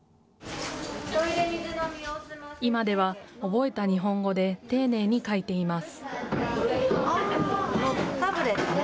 今では覚えた日本語で、丁寧に書いています。